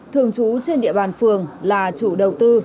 thường trú trên địa bàn phường là chủ đầu tư